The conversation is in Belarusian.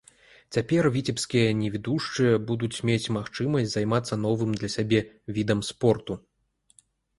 Цяпер віцебскія невідушчыя будуць мець магчымасць займацца новым для сябе відам спорту.